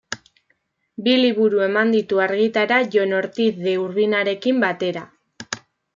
Bi liburu eman ditu argitara Jon Ortiz de Urbinarekin batera.